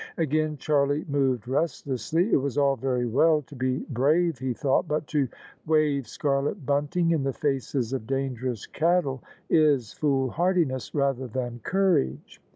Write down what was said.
Again Charlie moved restlessly. It was all very well to be brave he thought: but to wave scarlet bunting in the faces of dangerous cattle is foolhardiness rather than courage.